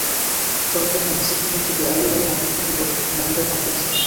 সড়কের fantasy kingdom থেকে Ayub Ali market পর্যন্ত অংশ মেরামতের কাজ চলছে।